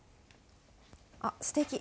あっすてき。